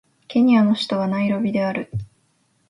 ケニアの首都はナイロビである